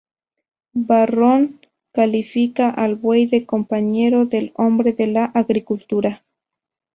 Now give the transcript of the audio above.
Varrón califica al buey de compañero del hombre en la agricultura.